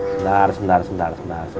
sebentar sebentar sebentar